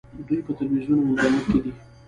دوی په تلویزیون او انټرنیټ کې دي.